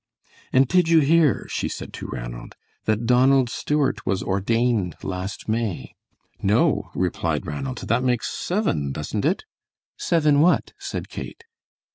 "And did you hear," she said to Ranald, "that Donald Stewart was ordained last May?" "No," replied Ranald; "that makes seven, doesn't it?" "Seven what?" said Kate.